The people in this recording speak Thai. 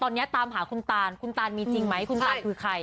ตอนนี้ตามหาคุณตานคุณตานมีจริงไหมคุณตานคือใคร